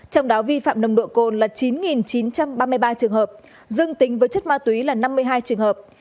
trong đó vi phạm nồng độ cồn là chín chín trăm ba mươi ba trường hợp dương tính với chất ma túy là năm mươi hai trường hợp